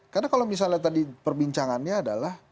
karena kalau misalnya tadi perbincangannya adalah